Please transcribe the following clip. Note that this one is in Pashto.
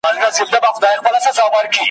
اوس د شیخانو له شامته شهباز ویني ژاړي ,